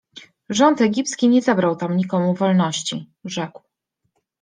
- Rząd egipski nie zabrał tam nikomu wolności - rzekł.